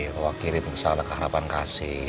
kau akhiri misalnya keharapan kasih